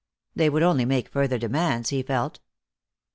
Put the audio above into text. They would only make further demands, he felt.